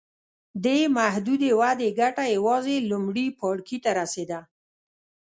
دې محدودې ودې ګټه یوازې لومړي پاړکي ته رسېده.